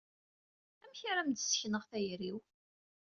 Amek ara am-d-sekneɣ tayri-iw?